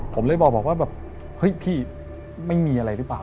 ผมเลยบอกแบบแฮ้ยพี่ไม่มีอะไรรึเปล่า